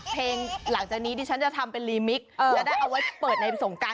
อ๋อเตรียมพร้อมด้วยเลยสนุกขนาด